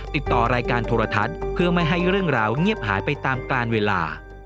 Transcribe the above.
ติดต่อรายการโทรทัศน์เพื่อไม่ให้เรื่องราวเงียบหายไปตามการเวลา